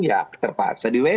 ya terpaksa di wc